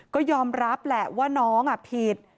ก็ยอมรับแหละว่าน้องผิด